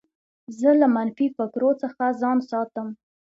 زه له منفي فکرو څخه ځان ساتم.